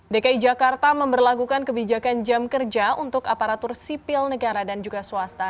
dki jakarta memperlakukan kebijakan jam kerja untuk aparatur sipil negara dan juga swasta